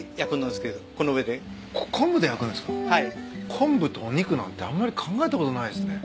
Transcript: コンブとお肉なんてあんまり考えたことないですね。